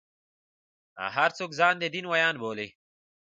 هر څوک ځان د دین ویاند بولي.